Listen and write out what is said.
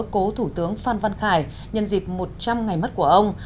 cố thủ tướng phan văn khải nhân dịp một trăm linh ngày mất của ông